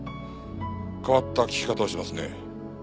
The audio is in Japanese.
変わった聞き方をしますね。